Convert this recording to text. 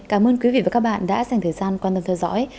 cảm ơn quý vị và các bạn đã dành thời gian quan tâm theo dõi